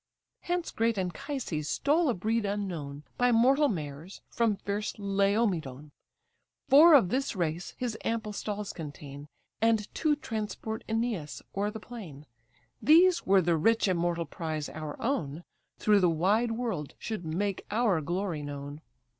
Hence great Anchises stole a breed unknown, By mortal mares, from fierce Laomedon: Four of this race his ample stalls contain, And two transport Æneas o'er the plain. These, were the rich immortal prize our own, Through the wide world should make our glory known."